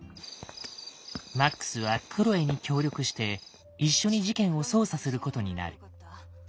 マックスはクロエに協力して一緒に事件を捜査することになる。